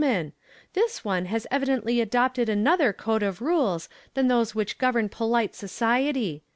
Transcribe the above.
ian; this one has evidently adopted another code of rules than those which govern polite society.